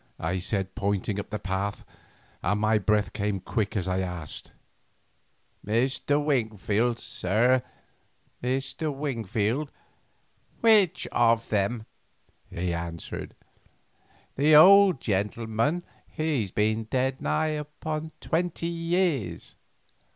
I said, pointing up the path, and my breath came quick as I asked. "Mr. Wingfield, sir, Mr. Wingfield, which of them?" he answered. "The old gentleman he's been dead nigh upon twenty years.